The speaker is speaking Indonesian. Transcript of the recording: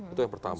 itu yang pertama